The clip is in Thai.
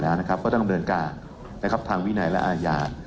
แล้วนะครับแล้วต้องเติมเดินกาน่าครับทางไว้ใดละอายา